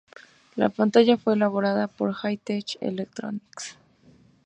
La pantalla fue elaborada por Hi Tech Electronics.